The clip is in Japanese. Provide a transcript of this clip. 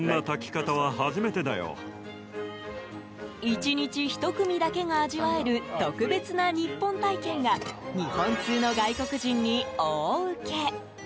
１日１組だけが味わえる特別な日本体験が日本通の外国人に大うけ。